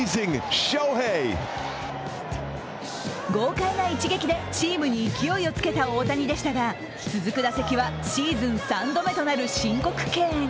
豪快な一撃でチームに勢いをつけた大谷でしたが続く打席はシーズン３度目となる申告敬遠。